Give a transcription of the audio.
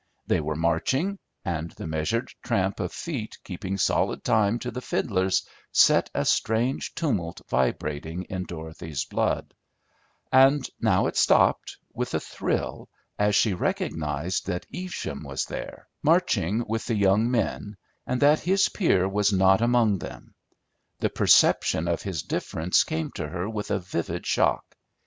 They were marching, and the measured tramp of feet keeping solid time to the fiddles set a strange tumult vibrating in Dorothy's blood; and now it stopped, with a thrill, as she recognized that Evesham was there, marching with the young men, and that his peer was not among them. The perception of his difference came to her with a vivid shock.